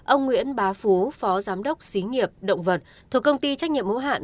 ông nguyễn bá phú phó giám đốc xí nghiệp động vật thuộc công ty trách nhiệm hữu hạn